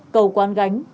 cầu quán gánh